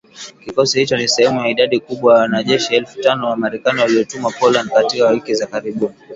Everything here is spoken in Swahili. Kikosi hicho ni sehemu ya idadi kubwa ya wanajeshi elfu tano wa Marekani waliotumwa Poland katika wiki za karibuni.